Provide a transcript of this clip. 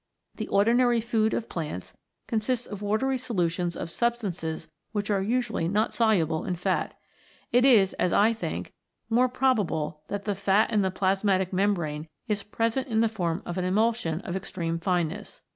The ordinary food of plants consists of watery solutions of substances which are usually not soluble in fat. It is, as I think, more probable that the fat in the plasmatic membrane is present in the form of an emulsion of extreme fineness.